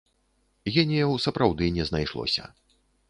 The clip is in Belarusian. Геніяў сапраўды не знайшлося.